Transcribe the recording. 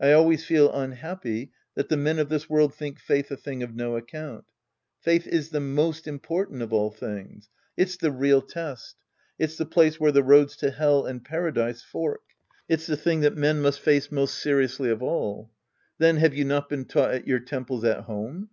I always feel unhappy that the men of this world think faith a thing of no account. Faith is the most important of all things. It's the real test. It's the place where the roads to Hell and Paradise fork. It's the tiling that men must face most seriously of all. Then, have you not been taught at your temples at home